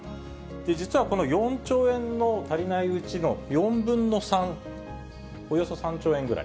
実はこの４兆円の足りないうちの４分の３、およそ３兆円ぐらい。